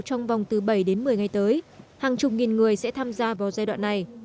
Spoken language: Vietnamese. trong vòng từ bảy đến một mươi ngày tới hàng chục nghìn người sẽ tham gia vào giai đoạn này